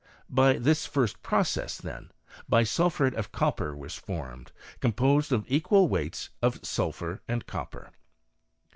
By this first process, then, bisulphuret of copper was formed, composed of equal weights of sulphur and copper.